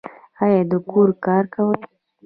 ایا د کور کار کوي؟